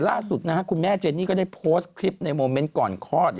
ล่าสุดคุณแม่เจนี่ก็ได้โพสต์คลิปในโมเมนต์ก่อนคลอด